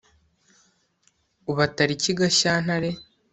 uba tariki gashyantare